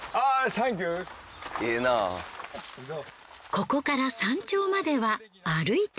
ここから山頂までは歩いて。